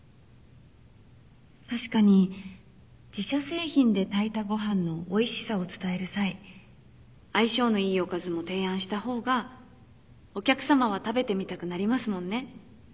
確かに自社製品で炊いたご飯のおいしさを伝える際相性のいいおかずも提案した方がお客さまは食べてみたくなりますもんね